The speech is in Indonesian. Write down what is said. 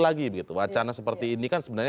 lagi begitu wacana seperti ini kan sebenarnya